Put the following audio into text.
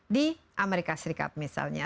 di amerika serikat misalnya